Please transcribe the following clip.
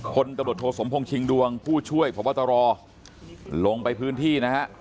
คนตำรวจโทสมพงษ์ชิงดวงผู้ช่วยพบตรลงไปพื้นที่นะฮะ